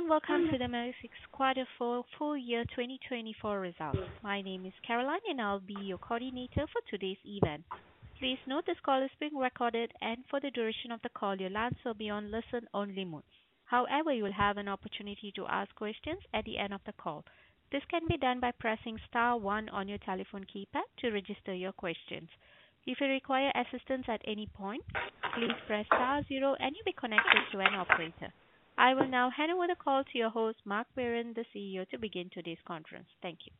Hello and welcome to the Melexis Q4 for Full Year 2024 results. My name is Caroline, and I'll be your coordinator for today's event. Please note this call is being recorded, and for the duration of the call, your lines will be on listen-only mode. However, you will have an opportunity to ask questions at the end of the call. This can be done by pressing star one on your telephone keypad to register your questions. If you require assistance at any point, please press star zero, and you'll be connected to an operator. I will now hand over the call to your host, Marc Biron, the CEO, to begin today's conference. Thank you.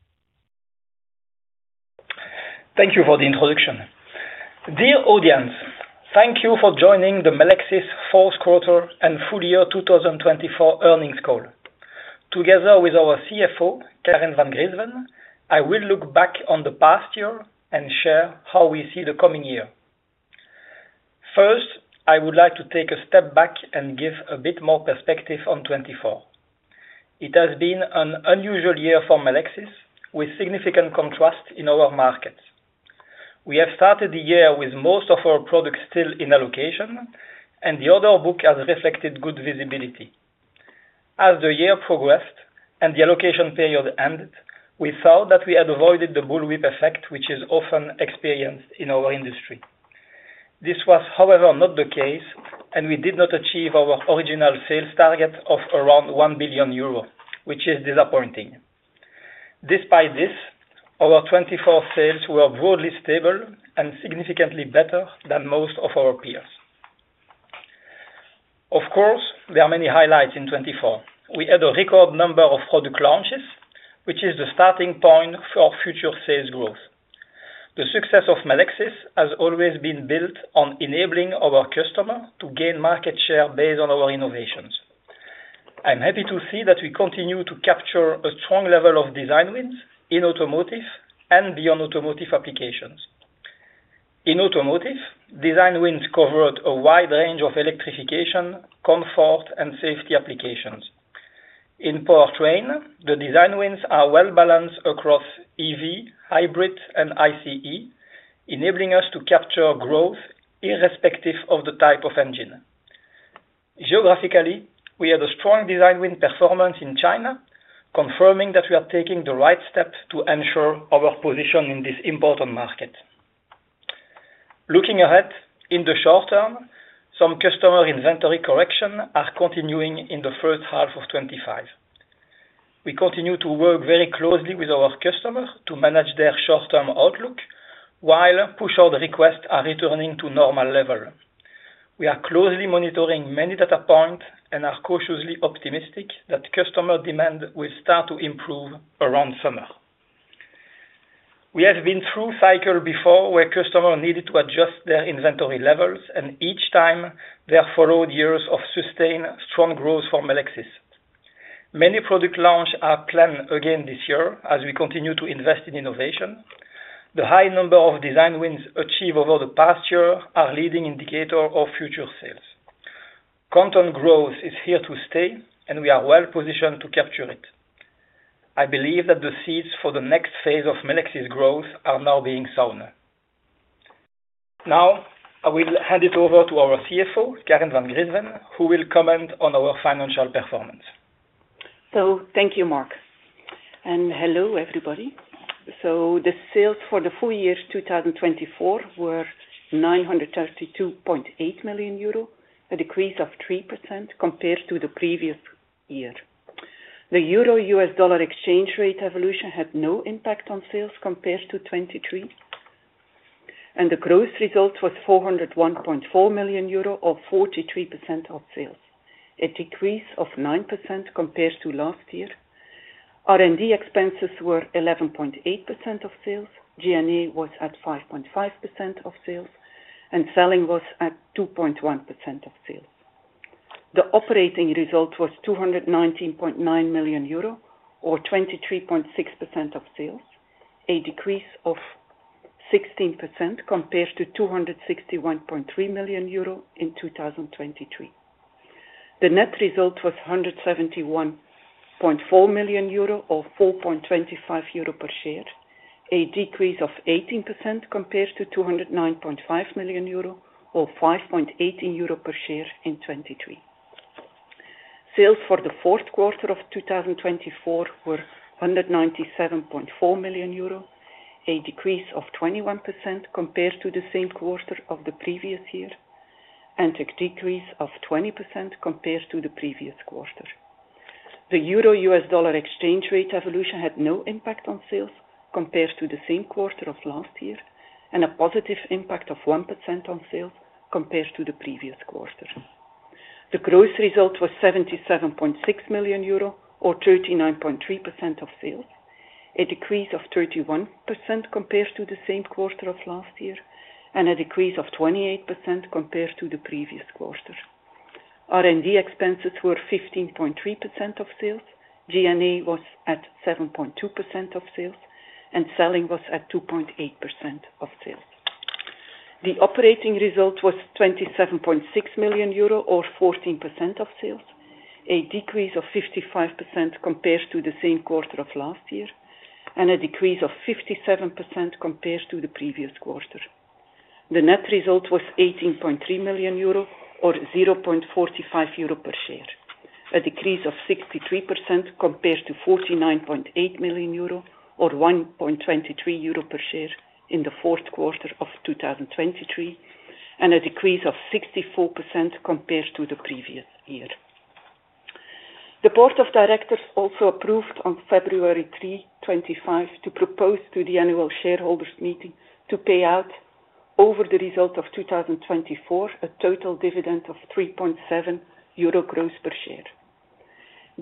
Thank you for the introduction. Dear audience, thank you for joining the Melexis Fourth Quarter and Full Year 2024 earnings call. Together with our CFO, Karen Van Griensven, I will look back on the past year and share how we see the coming year. First, I would like to take a step back and give a bit more perspective on 2024. It has been an unusual year for Melexis, with significant contrast in our markets. We have started the year with most of our products still in allocation, and the order book has reflected good visibility. As the year progressed and the allocation period ended, we thought that we had avoided the bullwhip effect, which is often experienced in our industry. This was, however, not the case, and we did not achieve our original sales target of around 1 billion euros, which is disappointing. Despite this, our 2024 sales were broadly stable and significantly better than most of our peers. Of course, there are many highlights in 2024. We had a record number of product launches, which is the starting point for future sales growth. The success of Melexis has always been built on enabling our customers to gain market share based on our innovations. I'm happy to see that we continue to capture a strong level of design wins in automotive and beyond automotive applications. In automotive, design wins covered a wide range of electrification, comfort, and safety applications. In powertrain, the design wins are well-balanced across EV, hybrid, and ICE, enabling us to capture growth irrespective of the type of engine. Geographically, we had a strong design win performance in China, confirming that we are taking the right step to ensure our position in this important market. Looking ahead, in the short term, some customer inventory corrections are continuing in the first half of 2025. We continue to work very closely with our customers to manage their short-term outlook while push order requests are returning to normal level. We are closely monitoring many data points and are cautiously optimistic that customer demand will start to improve around summer. We have been through cycles before where customers needed to adjust their inventory levels, and each time, there followed years of sustained strong growth for Melexis. Many product launches are planned again this year as we continue to invest in innovation. The high number of design wins achieved over the past year are a leading indicator of future sales. Content growth is here to stay, and we are well-positioned to capture it. I believe that the seeds for the next phase of Melexis growth are now being sown. Now, I will hand it over to our CFO, Karen Van Griensven, who will comment on our financial performance. Thank you, Marc. And hello, everybody. The sales for the full year 2024 were 932.8 million euro, a decrease of 3% compared to the previous year. The Euro/US Dollar exchange rate evolution had no impact on sales compared to 2023, and the gross result was 401.4 million euro, or 43% of sales, a decrease of 9% compared to last year. R&D expenses were 11.8% of sales, G&A was at 5.5% of sales, and selling was at 2.1% of sales. The operating result was 219.9 million euro, or 23.6% of sales, a decrease of 16% compared to 261.3 million euro in 2023. The net result was 171.4 million euro, or 4.25 euro per share, a decrease of 18% compared to 209.5 million euro, or 5.18 euro per share in 2023. Sales for the fourth quarter of 2024 were 197.4 million euro, a decrease of 21% compared to the same quarter of the previous year, and a decrease of 20% compared to the previous quarter. The Euro/US Dollar exchange rate evolution had no impact on sales compared to the same quarter of last year, and a positive impact of 1% on sales compared to the previous quarter. The gross result was 77.6 million euro, or 39.3% of sales, a decrease of 31% compared to the same quarter of last year, and a decrease of 28% compared to the previous quarter. R&D expenses were 15.3% of sales, G&A was at 7.2% of sales, and selling was at 2.8% of sales. The operating result was 27.6 million euro, or 14% of sales, a decrease of 55% compared to the same quarter of last year, and a decrease of 57% compared to the previous quarter. The net result was €18.3 million, or €0.45 per share, a decrease of 63% compared to €49.8 million, or €1.23 per share in the fourth quarter of 2023, and a decrease of 64% compared to the previous year. The Board of Directors also approved on February 3, 2025, to propose to the annual shareholders' meeting to pay out, over the result of 2024, a total dividend of €3.7 gross per share.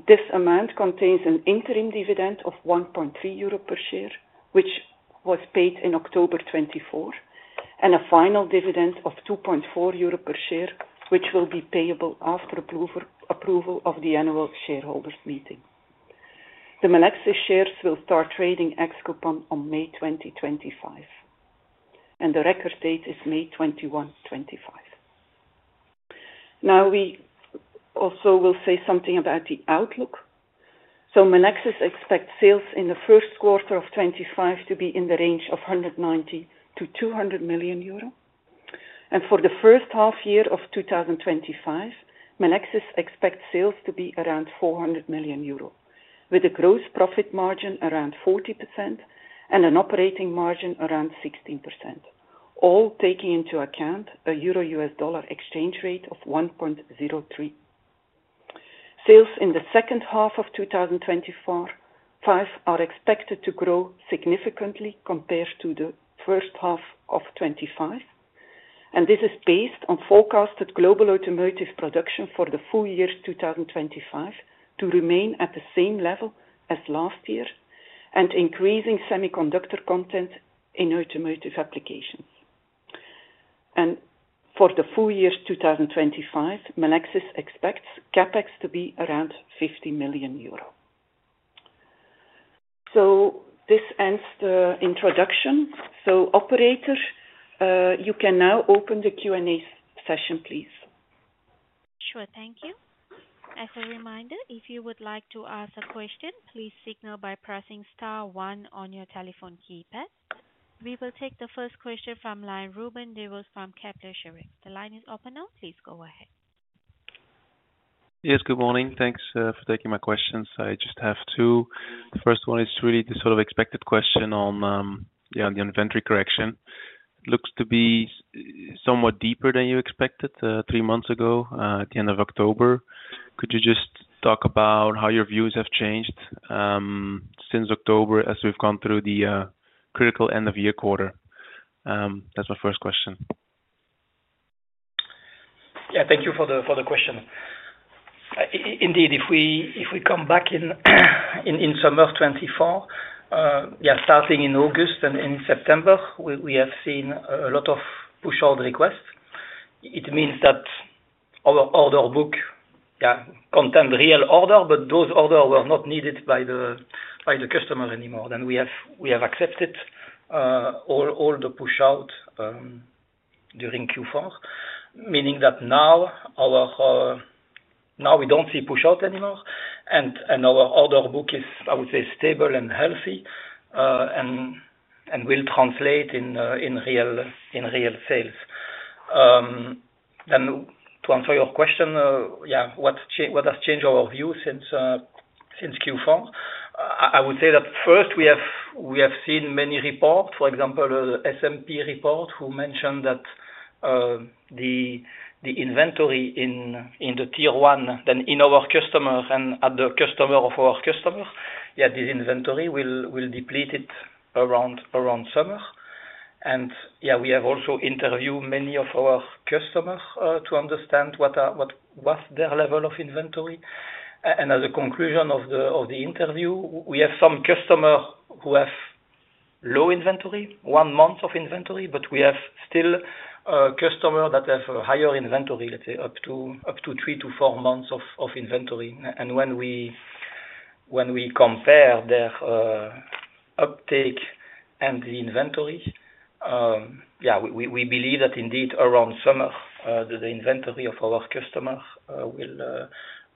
This amount contains an interim dividend of €1.3 per share, which was paid in October 2024, and a final dividend of €2.4 per share, which will be payable after approval of the annual shareholders' meeting. The Melexis shares will start trading ex-coupon on May 20, 2025, and the record date is May 21, 2025. Now, we also will say something about the outlook. Melexis expects sales in the first quarter of 2025 to be in the range of €190-€200 million. For the first half year of 2025, Melexis expects sales to be around €400 million, with a gross profit margin around 40% and an operating margin around 16%, all taking into account a Euro/US Dollar exchange rate of 1.03. Sales in the second half of 2025 are expected to grow significantly compared to the first half of 2025, and this is based on forecasted global automotive production for the full year 2025 to remain at the same level as last year and increasing semiconductor content in automotive applications. For the full year 2025, Melexis expects CapEx to be around €50 million. This ends the introduction. Operator, you can now open the Q&A session, please. Sure, thank you. As a reminder, if you would like to ask a question, please signal by pressing star one on your telephone keypad. We will take the first question from line Ruben Devos from Kepler Cheuvreux. The line is open now. Please go ahead. Yes, good morning. Thanks for taking my questions. I just have two. The first one is really the sort of expected question on the inventory correction. It looks to be somewhat deeper than you expected three months ago at the end of October. Could you just talk about how your views have changed since October as we've gone through the critical end of year quarter? That's my first question. Yeah, thank you for the question. Indeed, if we come back in summer 2024, starting in August and in September, we have seen a lot of push order requests. It means that our order book contained real orders, but those orders were not needed by the customer anymore. Then we have accepted all the push-outs during Q4, meaning that now we don't see push-outs anymore, and our order book is, I would say, stable and healthy and will translate in real sales. Then, to answer your question, what has changed our view since Q4? I would say that first, we have seen many reports, for example, S&P report which mentioned that the inventory in the Tier 1, then in our customer and at the customer of our customer, this inventory will deplete around summer. We have also interviewed many of our customers to understand what was their level of inventory. As a conclusion of the interview, we have some customers who have low inventory, one month of inventory, but we have still customers that have higher inventory, let's say up to three-to-four months of inventory. When we compare their uptake and the inventory, we believe that indeed around summer, the inventory of our customers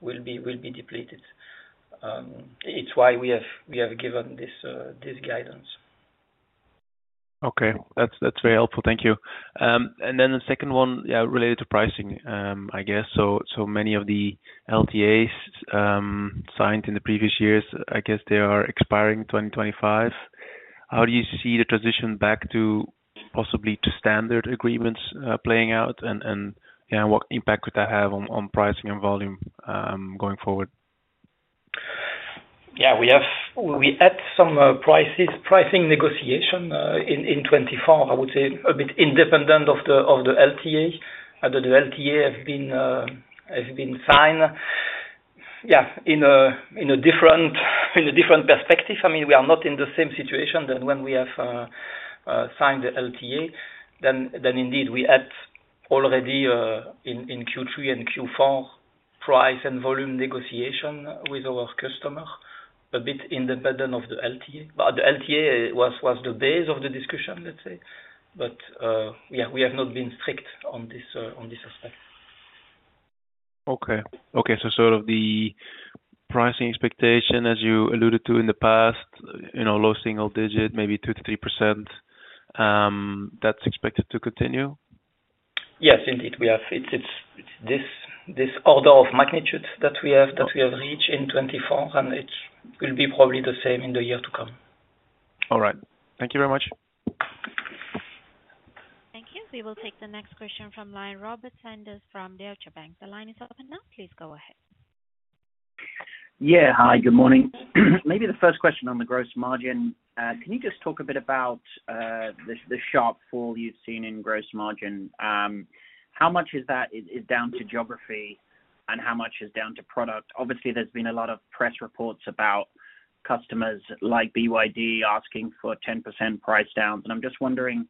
will be depleted. It's why we have given this guidance. Okay, that's very helpful. Thank you. And then the second one related to pricing, I guess. So many of the LTAs signed in the previous years, I guess they are expiring 2025. How do you see the transition back to possibly standard agreements playing out, and what impact would that have on pricing and volume going forward? Yeah, we had some pricing negotiation in 2024, I would say, a bit independent of the LTA that the LTA has been signed in a different perspective. I mean, we are not in the same situation than when we have signed the LTA. Then indeed, we had already in Q3 and Q4 price and volume negotiation with our customer, a bit independent of the LTA. The LTA was the base of the discussion, let's say, but we have not been strict on this aspect. Okay. Okay, so sort of the pricing expectation, as you alluded to in the past, low single digit, maybe 2%-3%, that's expected to continue? Yes, indeed. It's this order of magnitude that we have reached in 2024, and it will be probably the same in the year to come. All right. Thank you very much. Thank you. We will take the next question from line Robert Sanders from Deutsche Bank. The line is open now. Please go ahead. Yeah, hi, good morning. Maybe the first question on the gross margin. Can you just talk a bit about the sharp fall you've seen in gross margin? How much is that down to geography and how much is down to product? Obviously, there's been a lot of press reports about customers like BYD asking for 10% price downs. And I'm just wondering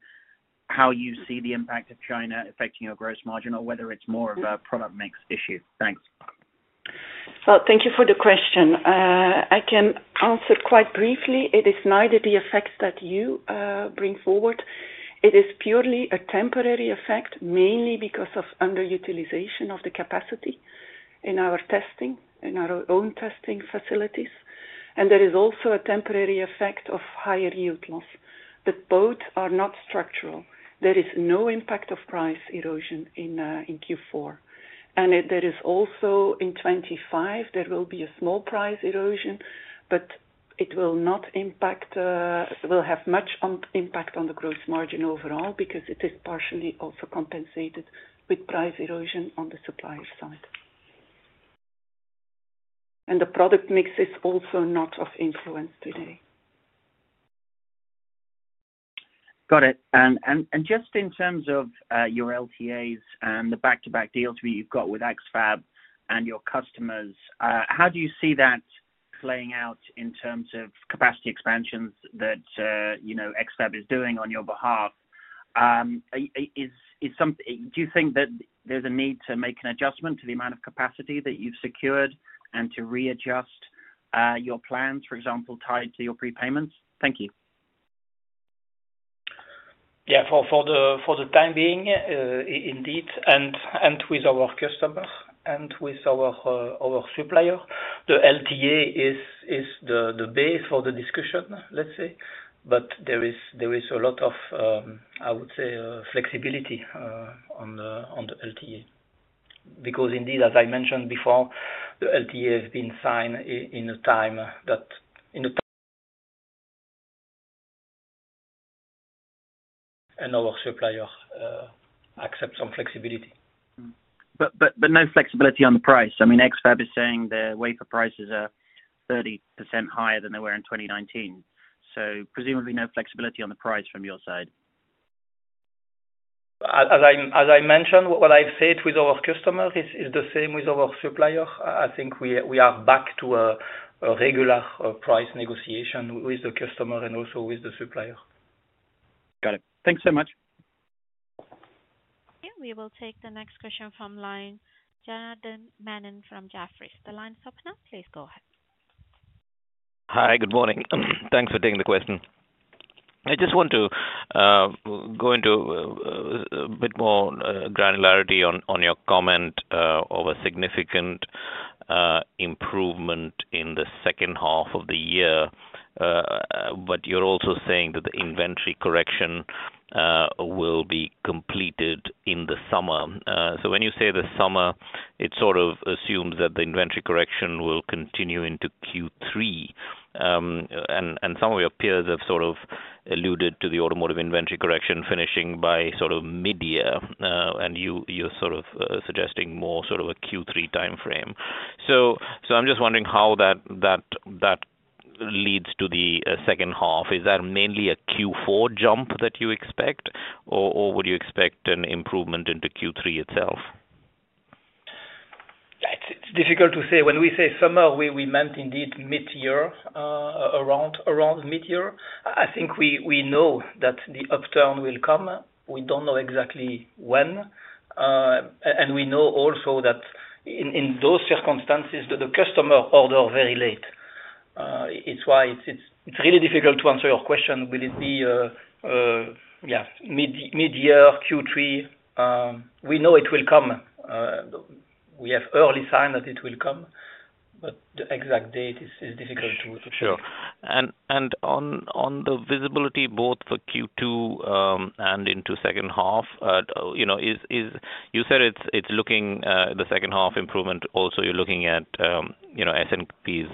how you see the impact of China affecting your gross margin or whether it's more of a product mix issue. Thanks. Thank you for the question. I can answer quite briefly. It is neither the effects that you bring forward. It is purely a temporary effect, mainly because of underutilization of the capacity in our testing, in our own testing facilities. There is also a temporary effect of higher yield loss. Both are not structural. There is no impact of price erosion in Q4. There is also in 2025, there will be a small price erosion, but it will not have much impact on the gross margin overall because it is partially also compensated with price erosion on the supplier side. The product mix is also not of influence today. Got it. And just in terms of your LTAs and the back-to-back deals you've got with X-FAB and your customers, how do you see that playing out in terms of capacity expansions that X-FAB is doing on your behalf? Do you think that there's a need to make an adjustment to the amount of capacity that you've secured and to readjust your plans, for example, tied to your prepayments? Thank you. Yeah, for the time being, indeed, and with our customers and with our supplier, the LTA is the base for the discussion, let's say. But there is a lot of, I would say, flexibility on the LTA. Because indeed, as I mentioned before, the LTA has been signed in a time that, in the end, our supplier accepts some flexibility. But no flexibility on the price? I mean, X-FAB is saying their wafer prices are 30% higher than they were in 2019. So presumably no flexibility on the price from your side. As I mentioned, what I've said with our customers is the same with our supplier. I think we are back to a regular price negotiation with the customer and also with the supplier. Got it. Thanks so much. We will take the next question from line Janardan Menon from Jefferies. The line's open now. Please go ahead. Hi, good morning. Thanks for taking the question. I just want to go into a bit more granularity on your comment of a significant improvement in the second half of the year, but you're also saying that the inventory correction will be completed in the summer. So when you say the summer, it sort of assumes that the inventory correction will continue into Q3. And some of your peers have sort of alluded to the automotive inventory correction finishing by sort of mid-year, and you're sort of suggesting more sort of a Q3 time frame. So I'm just wondering how that leads to the second half. Is that mainly a Q4 jump that you expect, or would you expect an improvement into Q3 itself? It's difficult to say. When we say summer, we meant indeed mid-year, around mid-year. I think we know that the upturn will come. We don't know exactly when, and we know also that in those circumstances, the customer orders very late. It's why it's really difficult to answer your question. Will it be mid-year, Q3? We know it will come. We have early signs that it will come, but the exact date is difficult to say. Sure. And on the visibility both for Q2 and into second half, you said it's looking the second half improvement, also you're looking at S&P's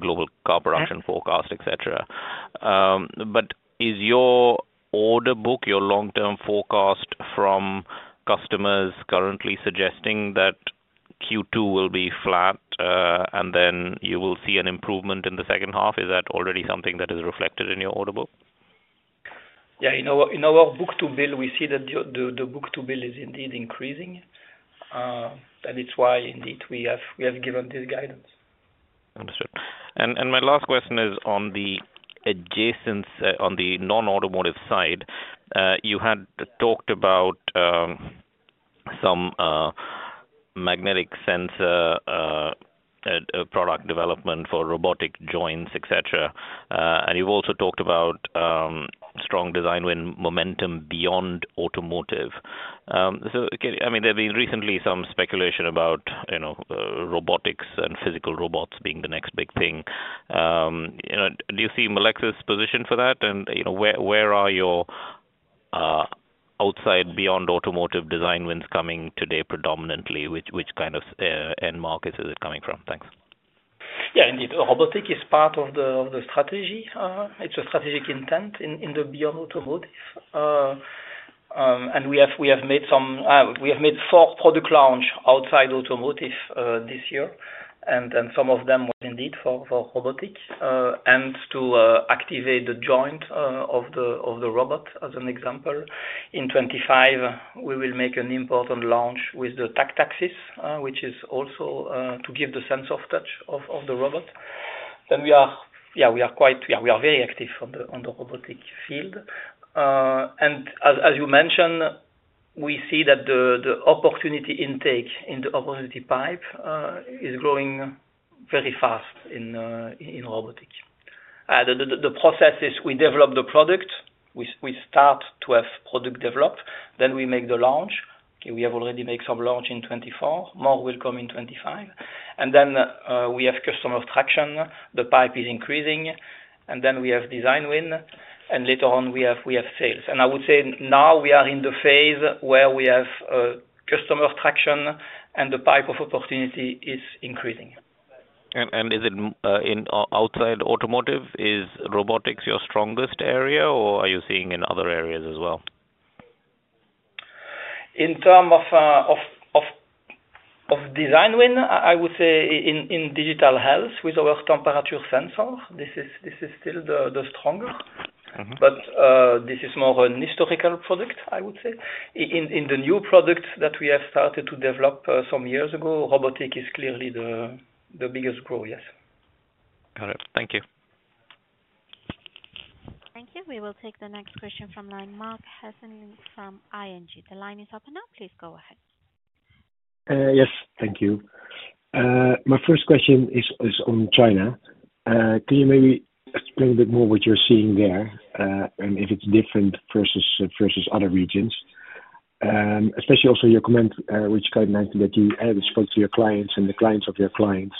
global car production forecast, etc. But is your order book, your long-term forecast from customers currently suggesting that Q2 will be flat and then you will see an improvement in the second half? Is that already something that is reflected in your order book? Yeah, in our book-to-bill, we see that the book-to-bill is indeed increasing, and it's why indeed we have given this guidance. Understood. And my last question is on the adjacent, on the non-automotive side. You had talked about some magnetic sensor product development for robotic joints, etc. And you've also talked about strong design win momentum beyond automotive. So I mean, there've been recently some speculation about robotics and physical robots being the next big thing. Do you see Melexis' position for that? And where are your design wins outside beyond automotive coming today predominantly? Which kind of end markets is it coming from? Thanks. Yeah, indeed. Robotic is part of the strategy. It's a strategic intent in the beyond automotive. And we have made four product launches outside automotive this year. And some of them were indeed for robotic and to activate the joint of the robot as an example. In 2025, we will make an important launch with the Tactaxis, which is also to give the sense of touch of the robot. Then we are very active on the robotic field. And as you mentioned, we see that the opportunity intake in the opportunity pipe is growing very fast in robotic. The process is we develop the product, we start to have product developed, then we make the launch. We have already made some launch in 2024. More will come in 2025. And then we have customer traction. The pipe is increasing. And then we have design win. And later on, we have sales. And I would say now we are in the phase where we have customer traction and the pipe of opportunity is increasing. Is it outside automotive? Is robotics your strongest area, or are you seeing in other areas as well? In terms of design win, I would say in digital health with our temperature sensor. This is still the stronger. But this is more a historical product, I would say. In the new products that we have started to develop some years ago, robotic is clearly the biggest growth, yes. Got it. Thank you. Thank you. We will take the next question from Marc Hesselink from ING. The line is open now. Please go ahead. Yes, thank you. My first question is on China. Can you maybe explain a bit more what you're seeing there and if it's different versus other regions, especially also your comment, which kind of mentioned that you spoke to your clients and the clients of your clients,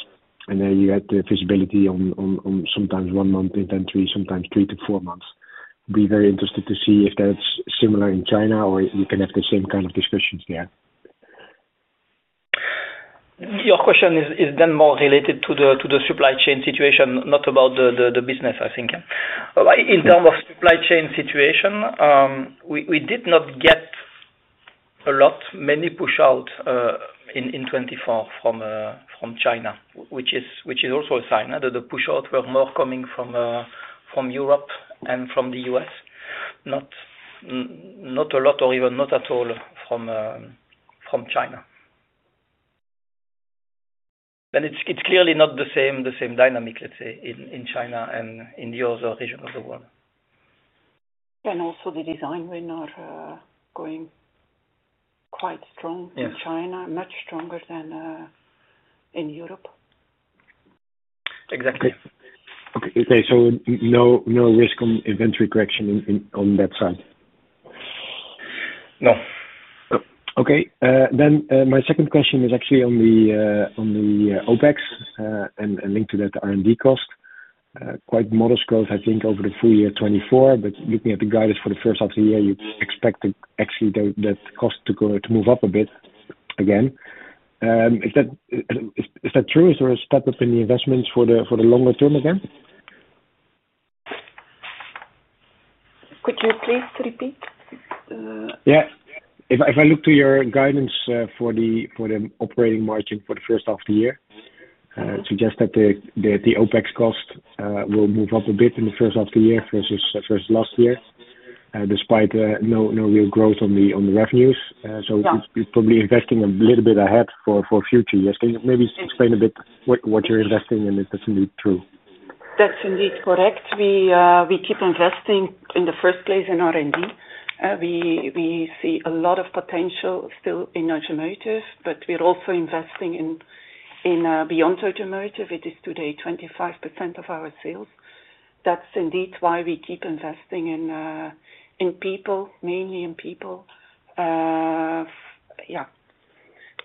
and then you had the visibility on sometimes one month inventory, sometimes three to four months. I'd be very interested to see if that's similar in China or you can have the same kind of discussions there. Your question is then more related to the supply chain situation, not about the business, I think. In terms of supply chain situation, we did not get a lot, many push-outs in 2024 from China, which is also a sign that the push-outs were more coming from Europe and from the US, not a lot or even not at all from China, and it's clearly not the same dynamic, let's say, in China and in the other regions of the world. And also the design wins are going quite strong in China, much stronger than in Europe. Exactly. Okay. So no risk on inventory correction on that side? No. Okay. Then my second question is actually on the OpEx and linked to that R&D cost. Quite modest growth, I think, over the full year 2024, but looking at the guidance for the first half of the year, you expect actually that cost to move up a bit again. Is that true? Is there a step up in the investments for the longer term again? Could you please repeat? Yeah. If I look to your guidance for the operating margin for the first half of the year, it suggests that the OpEx cost will move up a bit in the first half of the year versus last year, despite no real growth on the revenues. So it's probably investing a little bit ahead for future years. Can you maybe explain a bit what you're investing and if that's indeed true? That's indeed correct. We keep investing in the first place in R&D. We see a lot of potential still in automotive, but we're also investing in beyond automotive. It is today 25% of our sales. That's indeed why we keep investing in people, mainly in people, yeah,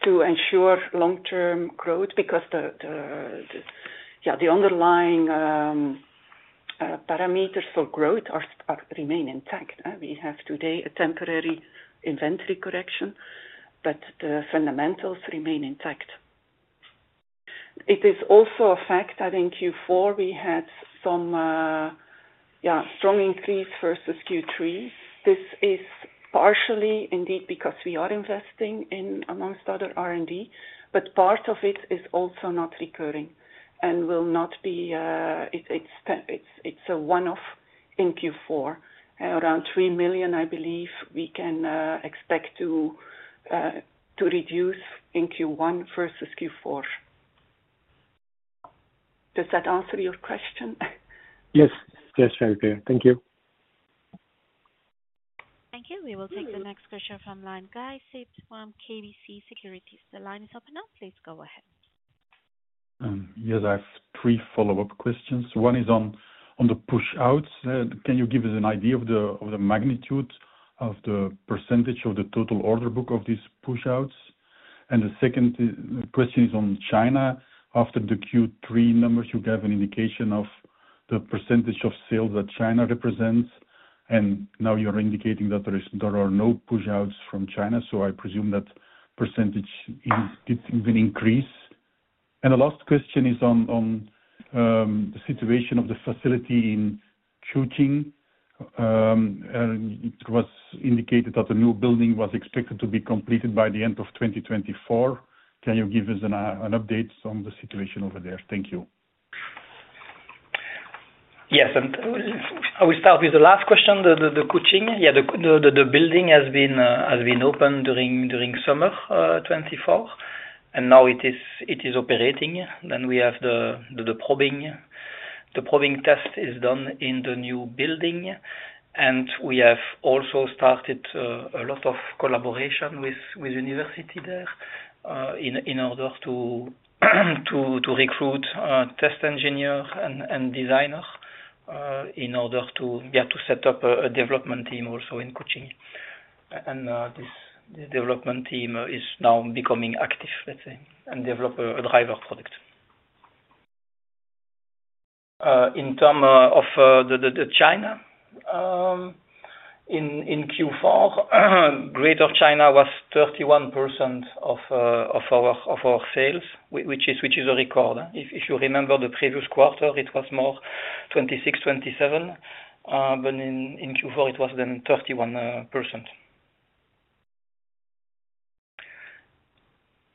to ensure long-term growth because the underlying parameters for growth remain intact. We have today a temporary inventory correction, but the fundamentals remain intact. It is also a fact, I think, Q4 we had some strong increase versus Q3. This is partially indeed because we are investing in among other R&D, but part of it is also not recurring and will not be. It's a one-off in Q4. Around 3 million, I believe we can expect to reduce in Q1 versus Q4. Does that answer your question? Yes. Yes, very clear. Thank you. Thank you. We will take the next question from Guy Sips from KBC Securities. The line is open now. Please go ahead. Yes, I have three follow-up questions. One is on the push-outs. Can you give us an idea of the magnitude of the percentage of the total order book of these push-outs? And the second question is on China. After the Q3 numbers, you gave an indication of the percentage of sales that China represents. And now you're indicating that there are no push-outs from China, so I presume that percentage didn't even increase. And the last question is on the situation of the facility in Kuching. It was indicated that a new building was expected to be completed by the end of 2024. Can you give us an update on the situation over there? Thank you. Yes. And I will start with the last question, the Kuching. Yeah, the building has been opened during summer 2024, and now it is operating. Then we have the probing test is done in the new building. And we have also started a lot of collaboration with university there in order to recruit test engineer and designer in order to set up a development team also in Kuching. And this development team is now becoming active, let's say, and develop a driver product. In terms of the China in Q4, greater China was 31% of our sales, which is a record. If you remember the previous quarter, it was more 26%-27%. But in Q4, it was then 31%.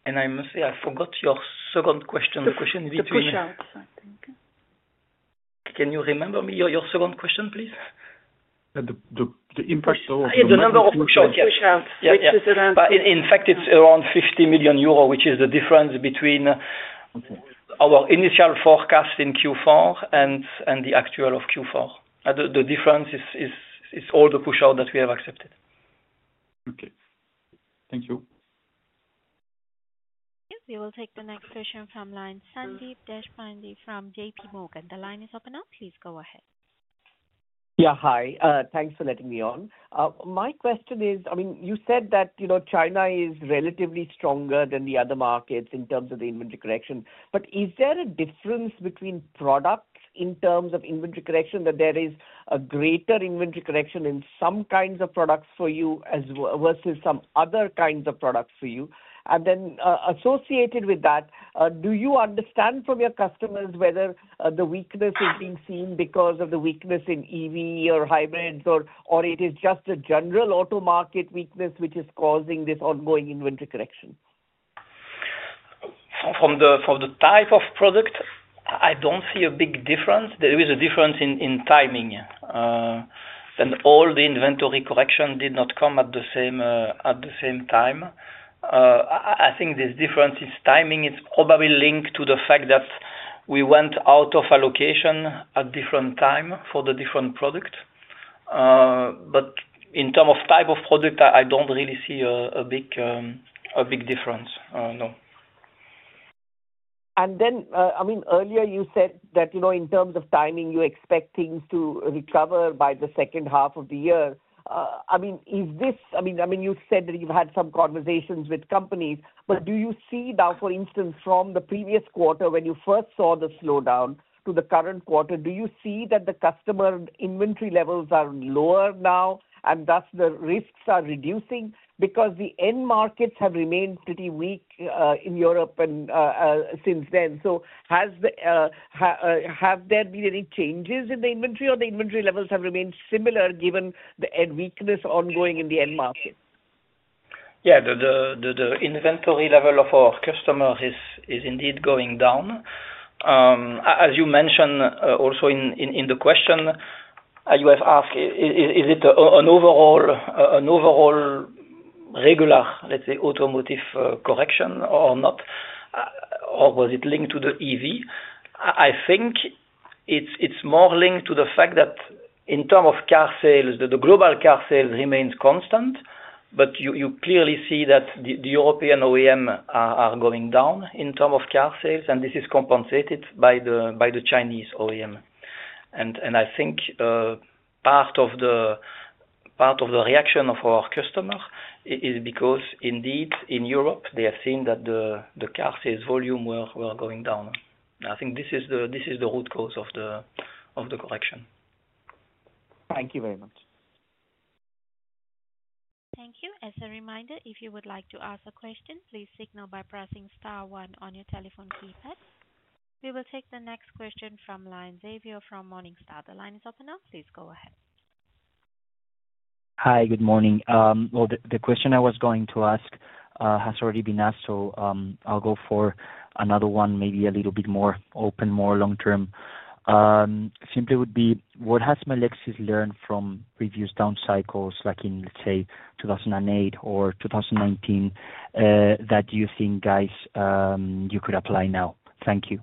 And I must say, I forgot your second question. The question between. The push-outs, I think. Can you remember your second question, please? The impact of. The number of push-outs, yes. The number of push-outs, which is around. In fact, it's around 50 million euro, which is the difference between our initial forecast in Q4 and the actual of Q4. The difference is all the push-out that we have accepted. Okay. Thank you. Thank you. We will take the next question from line Sandeep Deshpande from JP Morgan. The line is open now. Please go ahead. Yeah, hi. Thanks for letting me on. My question is, I mean, you said that China is relatively stronger than the other markets in terms of the inventory correction. But is there a difference between products in terms of inventory correction, that there is a greater inventory correction in some kinds of products for you versus some other kinds of products for you? And then associated with that, do you understand from your customers whether the weakness is being seen because of the weakness in EV or hybrids, or it is just a general auto market weakness which is causing this ongoing inventory correction? From the type of product, I don't see a big difference. There is a difference in timing, and all the inventory corrections did not come at the same time. I think this difference in timing is probably linked to the fact that we went out of allocation at different times for the different products, but in terms of type of product, I don't really see a big difference, no. I mean, earlier you said that in terms of timing, you expect things to recover by the second half of the year. I mean, you said that you've had some conversations with companies, but do you see now, for instance, from the previous quarter when you first saw the slowdown to the current quarter, do you see that the customer inventory levels are lower now and thus the risks are reducing? Because the end markets have remained pretty weak in Europe since then. So have there been any changes in the inventory, or the inventory levels have remained similar given the weakness ongoing in the end market? Yeah, the inventory level of our customers is indeed going down. As you mentioned also in the question you have asked, is it an overall regular, let's say, automotive correction or not, or was it linked to the EV? I think it's more linked to the fact that in terms of car sales, the global car sales remains constant, but you clearly see that the European OEM are going down in terms of car sales, and this is compensated by the Chinese OEM. I think part of the reaction of our customers is because indeed in Europe, they have seen that the car sales volume were going down. I think this is the root cause of the correction. Thank you very much. Thank you. As a reminder, if you would like to ask a question, please signal by pressing star one on your telephone keypad. We will take the next question from Javier from Morningstar. The line is open now. Please go ahead. Hi, good morning. The question I was going to ask has already been asked, so I'll go for another one, maybe a little bit more open, more long-term. Simply would be, what has Melexis learned from previous down cycles like in, let's say, 2008 or 2019 that you think, guys, you could apply now? Thank you.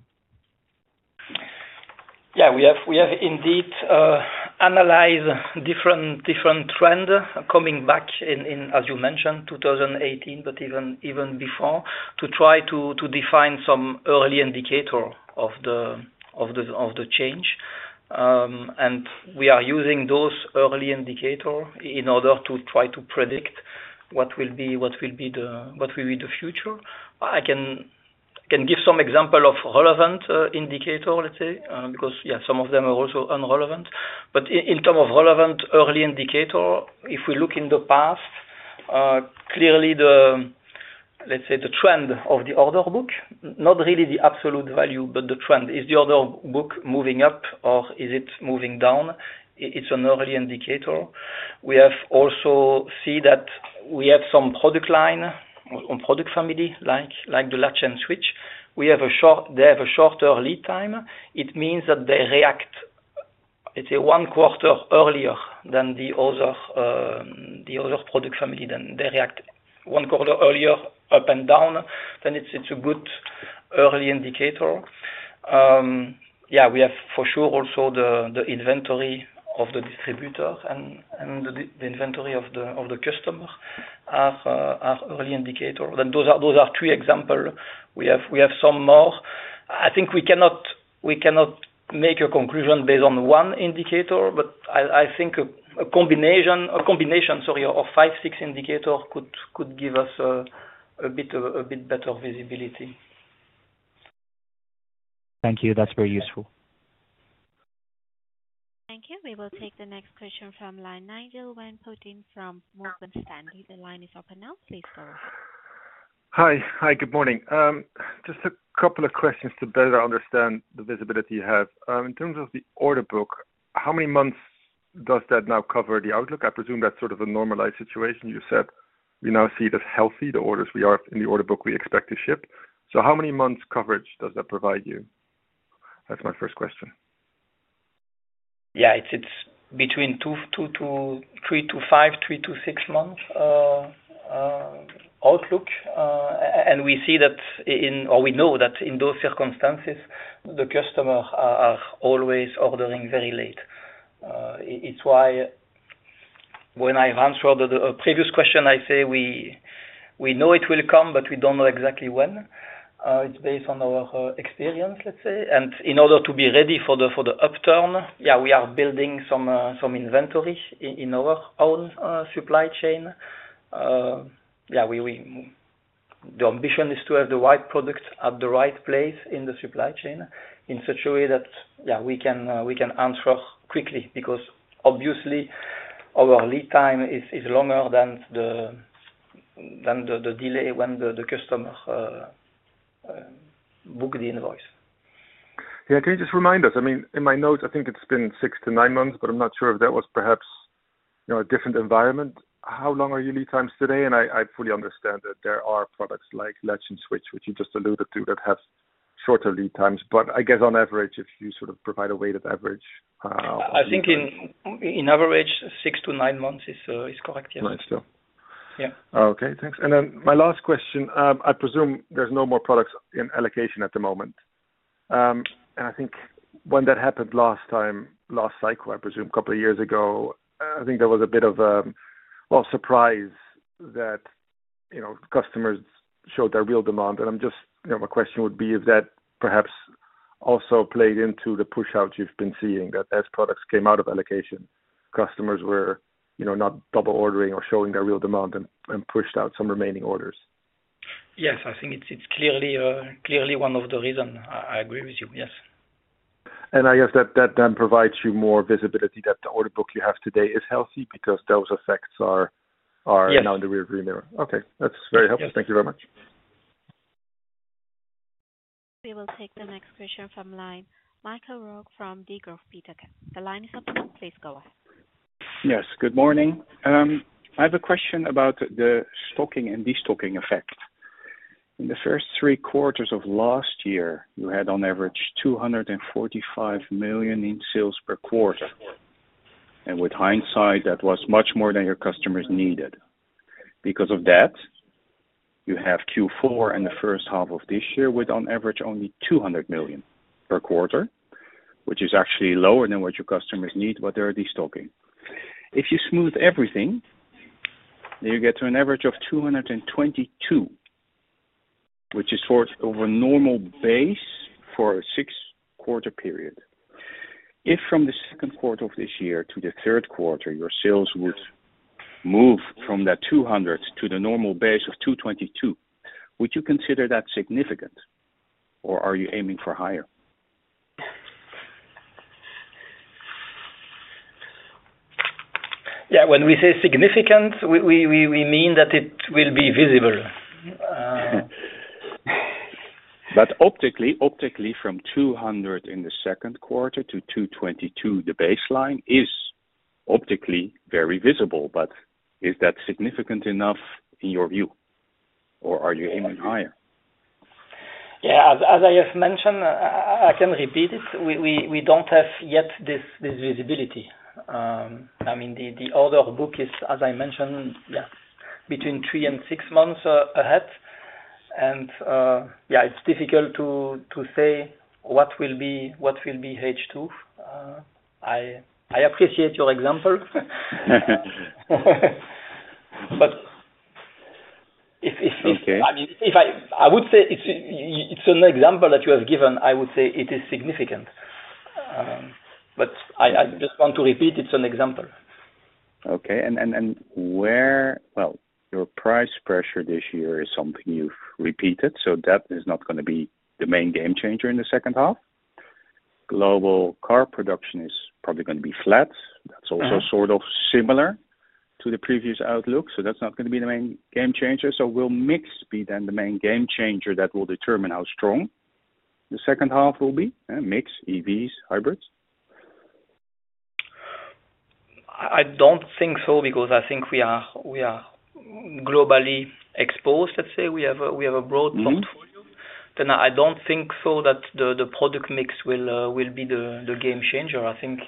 Yeah, we have indeed analyzed different trends coming back in, as you mentioned, 2018, but even before to try to define some early indicator of the change. We are using those early indicators in order to try to predict what will be the future. I can give some examples of relevant indicators, let's say, because some of them are also irrelevant. But in terms of relevant early indicators, if we look in the past, clearly, let's say, the trend of the order book, not really the absolute value, but the trend. Is the order book moving up or is it moving down? It's an early indicator. We have also seen that we have some product line or product family like the Latch & Switch. They have a short lead time. It means that they react, let's say, one quarter earlier than the other product family. Then they react one quarter earlier up and down. Then it's a good early indicator. Yeah, we have for sure also the inventory of the distributor and the inventory of the customer are early indicators. Those are two examples. We have some more. I think we cannot make a conclusion based on one indicator, but I think a combination, sorry, of five, six indicators could give us a bit better visibility. Thank you. That's very useful. Thank you. We will take the next question from line Nigel Van Putten from Morgan Stanley. The line is open now. Please go ahead. Hi. Hi, good morning. Just a couple of questions to better understand the visibility you have. In terms of the order book, how many months does that now cover the outlook? I presume that's sort of a normalized situation. You said we now see that healthy, the orders we have in the order book we expect to ship. So how many months coverage does that provide you? That's my first question. Yeah, it's between three to five, three to six months outlook. And we see that, or we know that in those circumstances, the customers are always ordering very late. It's why when I've answered the previous question, I say we know it will come, but we don't know exactly when. It's based on our experience, let's say. And in order to be ready for the upturn, yeah, we are building some inventory in our own supply chain. Yeah, the ambition is to have the right product at the right place in the supply chain in such a way that we can answer quickly because obviously our lead time is longer than the delay when the customer booked the invoice. Yeah, can you just remind us? I mean, in my notes, I think it's been six to nine months, but I'm not sure if that was perhaps a different environment. How long are your lead times today? And I fully understand that there are products like latch and switch, which you just alluded to, that have shorter lead times. But I guess on average, if you sort of provide a weighted average. I think on average, six to nine months is correct, yes. Nine still. Yeah. Okay. Thanks. And then my last question. I presume there's no more products in allocation at the moment. And I think when that happened last time, last cycle, I presume a couple of years ago, I think there was a bit of a surprise that customers showed their real demand. And my question would be if that perhaps also played into the push-out you've been seeing, that as products came out of allocation, customers were not double ordering or showing their real demand and pushed out some remaining orders. Yes, I think it's clearly one of the reasons. I agree with you, yes. I guess that then provides you more visibility that the order book you have today is healthy because those effects are now in the rearview mirror. Yes. Okay. That's very helpful. Thank you very much. We will take the next question from line Michael Roeg from Degroof Petercam. The line is open. Please go ahead. Yes, good morning. I have a question about the stocking and destocking effect. In the first three quarters of last year, you had on average 245 million in sales per quarter. And with hindsight, that was much more than your customers needed. Because of that, you have Q4 and the first half of this year with on average only 200 million per quarter, which is actually lower than what your customers need, but they are destocking. If you smooth everything, then you get to an average of 222, which is over normal base for a six-quarter period. If from the second quarter of this year to the third quarter, your sales would move from that 200 to the normal base of 222, would you consider that significant, or are you aiming for higher? Yeah, when we say significant, we mean that it will be visible. But optically, from 200 in the second quarter to 222, the baseline is optically very visible, but is that significant enough in your view, or are you aiming higher? Yeah, as I have mentioned, I can repeat it. We don't have yet this visibility. I mean, the order book is, as I mentioned, yeah, between three and six months ahead. And yeah, it's difficult to say what will be H2. I appreciate your example. But I mean, I would say it's an example that you have given. I would say it is significant. But I just want to repeat, it's an example. Okay. And well, your price pressure this year is something you've repeated, so that is not going to be the main game changer in the second half. Global car production is probably going to be flat. That's also sort of similar to the previous outlook, so that's not going to be the main game changer. So will mix be then the main game changer that will determine how strong the second half will be? Mix, EVs, hybrids? I don't think so because I think we are globally exposed, let's say. We have a broad portfolio. Then I don't think so that the product mix will be the game changer. I think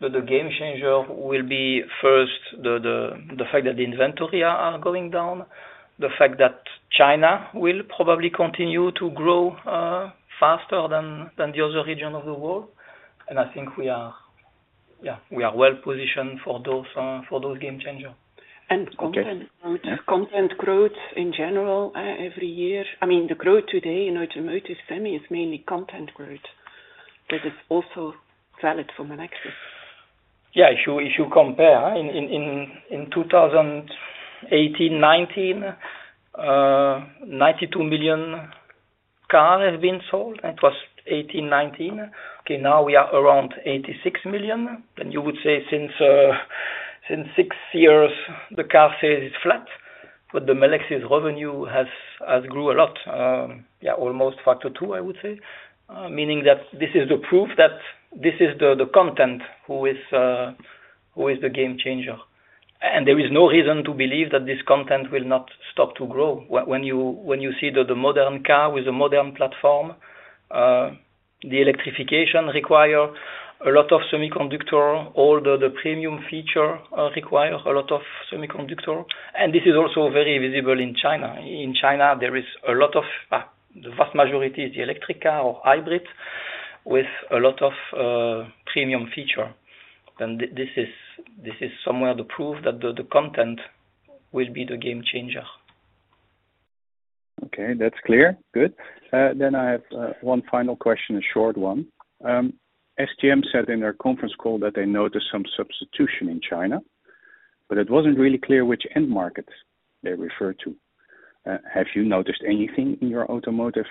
the game changer will be first the fact that the inventory are going down, the fact that China will probably continue to grow faster than the other region of the world. And I think we are well positioned for those game changers. And content growth in general, every year. I mean, the growth today in automotive semi is mainly content growth, but it's also valid for Melexis. Yeah, if you compare, in 2018, 2019, 92 million cars have been sold. It was 2018, 2019. Okay, now we are around 86 million. Then you would say since six years, the car sales is flat, but the Melexis revenue has grown a lot, yeah, almost factor two, I would say, meaning that this is the proof that this is the content who is the game changer. And there is no reason to believe that this content will not stop to grow. When you see the modern car with a modern platform, the electrification requires a lot of semiconductor, all the premium features require a lot of semiconductor. And this is also very visible in China. In China, there is a lot of the vast majority is the electric car or hybrid with a lot of premium features. Then this is somewhere the proof that the content will be the game changer. Okay, that's clear. Good. Then I have one final question, a short one. SGM said in their conference call that they noticed some substitution in China, but it wasn't really clear which end market they referred to. Have you noticed anything in your automotive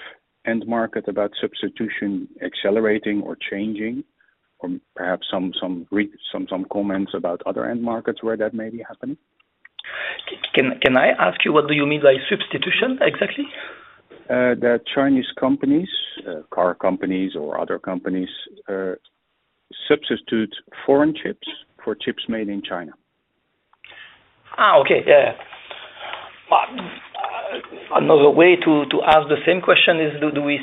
end market about substitution accelerating or changing, or perhaps some comments about other end markets where that may be happening? Can I ask you, what do you mean by substitution exactly? That Chinese companies, car companies, or other companies substitute foreign chips for chips made in China. Okay. Yeah. Another way to ask the same question is, Do we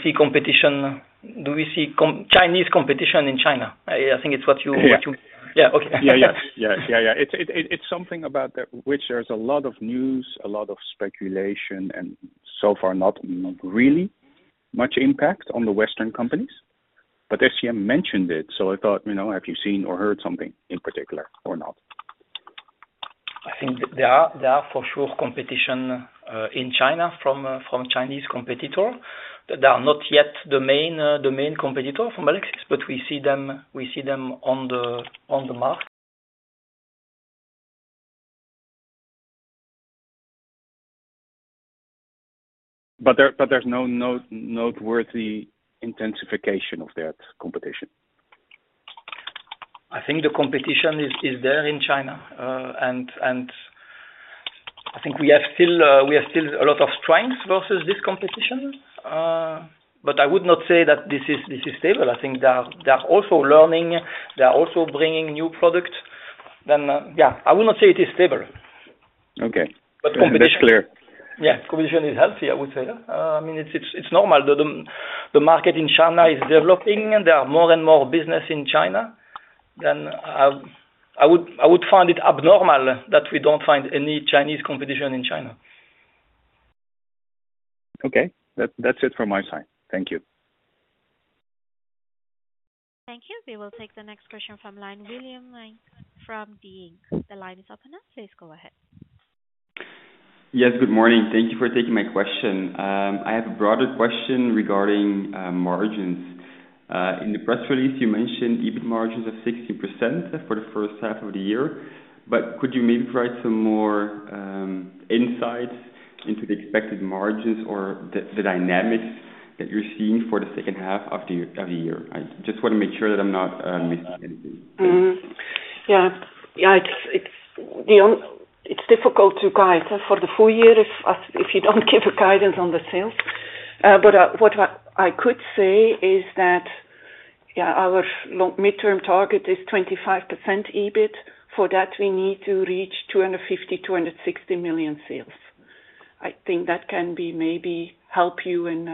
see Chinese competition in China? I think it's what you mean. Yeah. Okay. Yeah, yeah, yeah, yeah, yeah. It's something about which there's a lot of news, a lot of speculation, and so far not really much impact on the Western companies. But SGM mentioned it, so I thought, have you seen or heard something in particular or not? I think there are for sure competition in China from Chinese competitors. They are not yet the main competitor for Melexis, but we see them on the market. But there's no noteworthy intensification of that competition? I think the competition is there in China, and I think we have still a lot of strengths versus this competition, but I would not say that this is stable. I think they are also learning. They are also bringing new products, then yeah, I would not say it is stable. Okay. But competition. It's clear. Yeah, competition is healthy, I would say. I mean, it's normal. The market in China is developing. There are more and more businesses in China. Then I would find it abnormal that we don't find any Chinese competition in China. Okay. That's it from my side. Thank you. Thank you. We will take the next question from line, Willem from Degroof. The line is open. Please go ahead. Yes, good morning. Thank you for taking my question. I have a broader question regarding margins. In the press release, you mentioned EBIT margins of 16% for the first half of the year. But could you maybe provide some more insights into the expected margins or the dynamics that you're seeing for the second half of the year? I just want to make sure that I'm not missing anything. Yeah. It's difficult to guide for the full year if you don't give a guidance on the sales. But what I could say is that, yeah, our midterm target is 25% EBIT. For that, we need to reach 250 million-260 million sales. I think that can be maybe help you in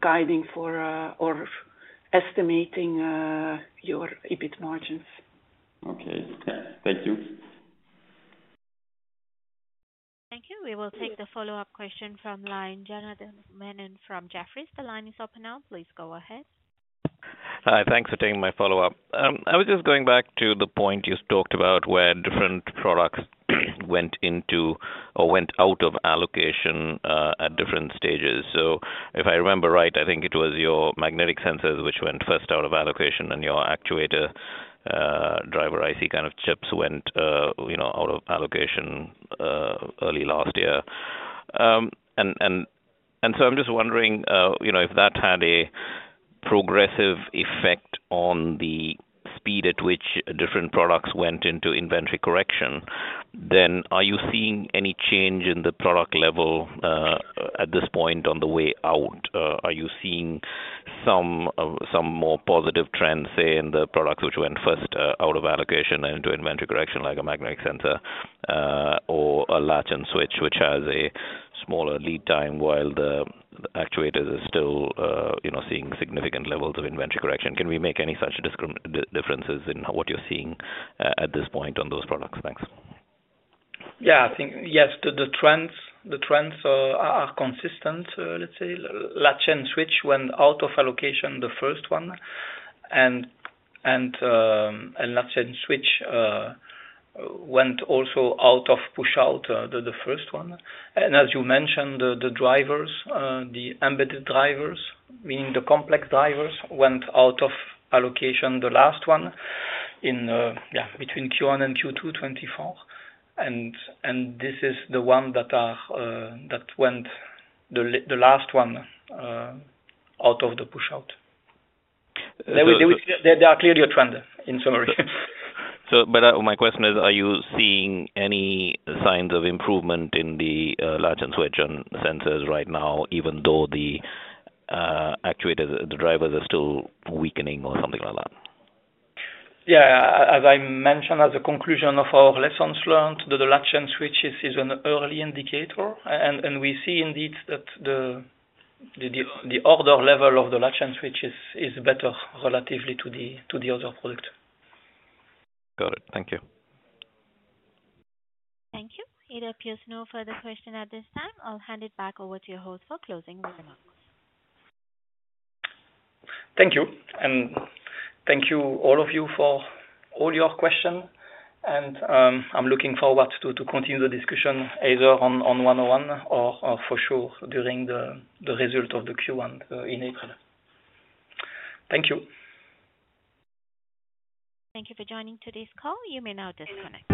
guiding or estimating your EBIT margins. Okay. Thank you. Thank you. We will take the follow-up question from line Janardan Menon from Jefferies. The line is open now. Please go ahead. Hi. Thanks for taking my follow-up. I was just going back to the point you talked about where different products went into or went out of allocation at different stages. So if I remember right, I think it was your magnetic sensors which went first out of allocation, and your actuator driver IC kind of chips went out of allocation early last year, and so I'm just wondering if that had a progressive effect on the speed at which different products went into inventory correction, then are you seeing any change in the product level at this point on the way out? Are you seeing some more positive trends, say, in the products which went first out of allocation and into inventory correction like a magnetic sensor or a latch and switch which has a smaller lead time while the actuators are still seeing significant levels of inventory correction? Can we make any such differences in what you're seeing at this point on those products? Thanks. Yeah. Yes, the trends are consistent, let's say. Latch and switch went out of allocation the first one, and latch and switch went also out of push-out the first one. And as you mentioned, the drivers, the embedded drivers, meaning the complex drivers, went out of allocation the last one between Q1 and Q2 2024. And this is the one that went, the last one, out of the push-out. There are clearly a trend in summary. But my question is, are you seeing any signs of improvement in the latch and switch sensors right now, even though the actuators, the drivers are still weakening or something like that? Yeah. As I mentioned, as a conclusion of our lessons learned, the latch and switch is an early indicator, and we see indeed that the order level of the latch and switch is better relatively to the other product. Got it. Thank you. Thank you. It appears no further question at this time. I'll hand it back over to your host for closing remarks. Thank you. And thank you all of you for all your questions. And I'm looking forward to continue the discussion either on one-on-one or for sure during the result of the Q1 in April. Thank you. Thank you for joining today's call. You may now disconnect.